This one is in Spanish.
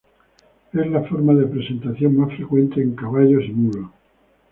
Es la forma de presentación más frecuente en caballos y mulos.